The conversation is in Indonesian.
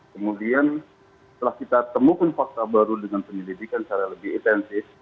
kemudian setelah kita temukan fakta baru dengan penyelidikan secara lebih intensif